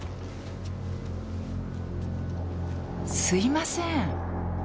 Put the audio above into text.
すいません。